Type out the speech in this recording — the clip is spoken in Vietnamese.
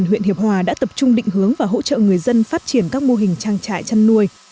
huyện hiệp hòa đã tập trung định hướng và hỗ trợ người dân phát triển các mô hình trang trại chăn nuôi